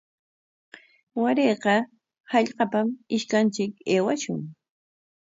Warayqa hallqapam ishkanchik aywashun.